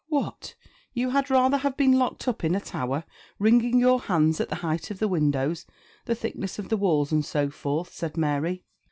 "What! you had rather have been locked up in a tower wringing your hands at the height of the windows, the thickness of the walls, and so forth," said Mary.